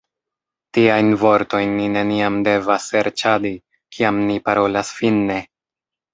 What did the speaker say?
Tiajn vortojn ni neniam devas serĉadi, kiam ni parolas finne.